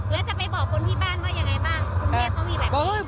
แล้วจะไปบอกคนที่ครว่ายังไงบ้าง